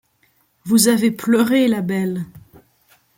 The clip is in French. Vous avez pleuré, la belle ;